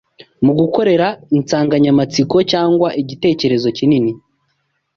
mugukorera insanganyamatsiko cyangwa igitekerezo kinini